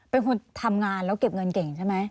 เป็นคนทำงานแล้วเก็บเงินเก่งใช่ไหม